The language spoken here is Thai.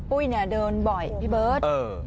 ผู้หญิงเดินบ่อยพี่เบิร์ต